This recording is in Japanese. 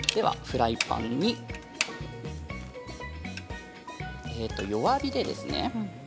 フライパンに、弱火で、ですね。